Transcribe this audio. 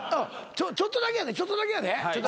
ちょっとだけやでちょっとだけやで。